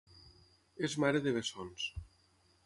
És mare de bessons.